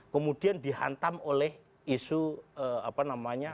kemudian dihantam oleh isu apa namanya